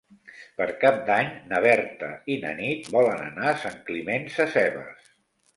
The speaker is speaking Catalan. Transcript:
Per Cap d'Any na Berta i na Nit volen anar a Sant Climent Sescebes.